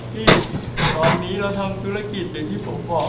ที่ตอนนี้เราทำธุรกิจอย่างที่ผมบอก